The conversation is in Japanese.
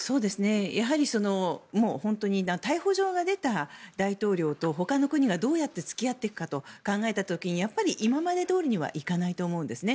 やはり本当に逮捕状が出た大統領とほかの国がどうやって付き合っていくかと考えた時にやっぱり今までどおりにはいかないと思うんですね。